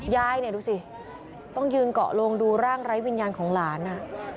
ยายเนี่ยดูสิต้องยืนเกาะโลงดูร่างไร้วิญญาณของหลาน